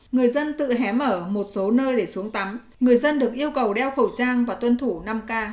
người dân tự hém ở một số nơi để xuống tắm người dân được yêu cầu đeo khẩu trang và tuân thủ năm k